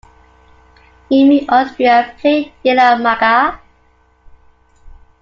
Amy Austria played Delia Maga.